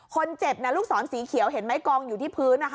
คนเจ็บลูกศรสีเขียวเห็นไหมกองอยู่ที่พื้นนะคะ